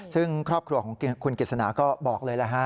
ซึ่งครอบครัวของคุณกิจสนาก็บอกเลย